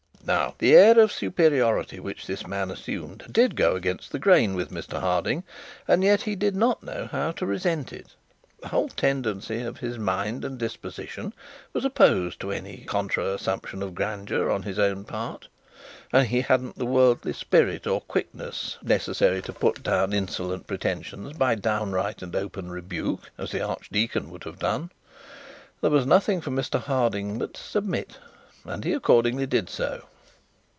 Now the airy superiority which this man assumed, did go against the grain of Mr Harding; and yet he did not know how to resent it. The whole tendency of his mind and disposition was opposed to any contra assumption of grandeur on his own part, and he hadn't the worldly spirit or quickness necessary to put down insolent pretensions by downright and open rebuke, as the archdeacon would have done. There was nothing for Mr Harding but to submit and he accordingly did so.